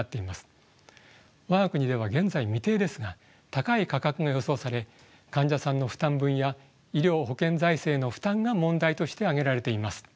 我が国では現在未定ですが高い価格が予想され患者さんの負担分や医療保険財政への負担が問題として挙げられています。